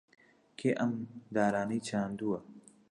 کێ ئەم دارانەی چاندووە؟